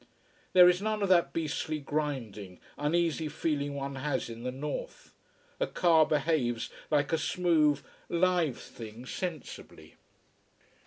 There is none of that beastly grinding, uneasy feeling one has in the north. A car behaves like a smooth, live thing, sensibly.